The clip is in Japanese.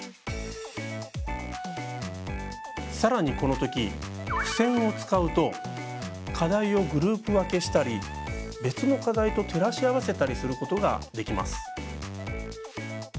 さらにこの時付せんを使うと課題をグループ分けしたり別の課題と照らし合わせたりすることができます。